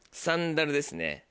サンダルですね